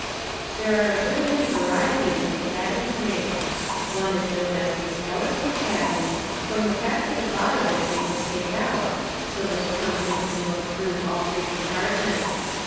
There are a good many varieties of caddies made. One is known as the '« skeleton " caddy, from the fact that the bottom is made to take out, so that the company can look through all three compart ments.